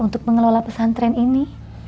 untuk mengelola pesantren ini